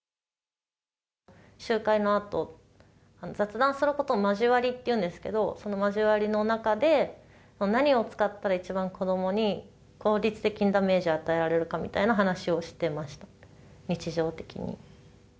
集会のあと、雑談することを交わりっていうんですけど、その交わりの中で、何を使ったら一番子どもに効率的にダメージを与えられるかみたいな話をしてました、日常的に。